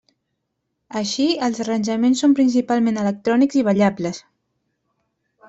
Així, els arranjaments són principalment electrònics i ballables.